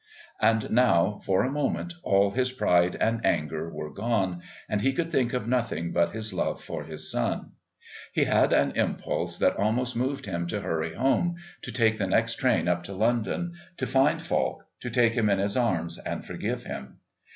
And now, for a moment, all his pride and anger were gone, and he could think of nothing but his love for his son. He had an impulse that almost moved him to hurry home, to take the next train up to London, to find Falk, to take him in his arms and forgive him.